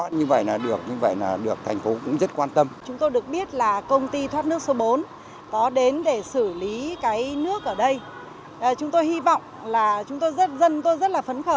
người dân đánh giá rất tốt